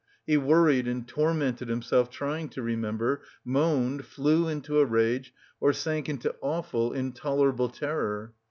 He worried and tormented himself trying to remember, moaned, flew into a rage, or sank into awful, intolerable terror.